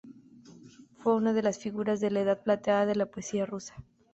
Fue una de las figuras de la Edad Plateada de la poesía rusa.